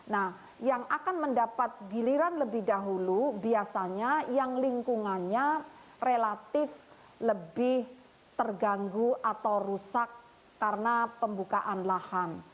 nah yang akan mendapat giliran lebih dahulu biasanya yang lingkungannya relatif lebih terganggu atau rusak karena pembukaan lahan